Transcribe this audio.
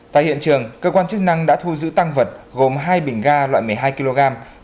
tại hiện trường cơ quan chức năng đã thu giữ tăng vật gồm hai bình ga loại một mươi hai kg